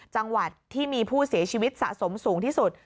จังหวัดที่มีผู้เสียชีวิตสะสมสูงที่สุด